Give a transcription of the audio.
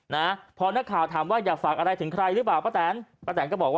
นี้มีอะไรจะฝากไปถึงไทยกันไหมคะป๊าแตนครับ